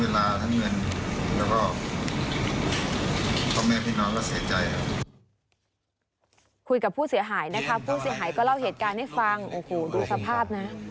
กลุ่มลงอย่างตาช้ำอยู่แหละนะ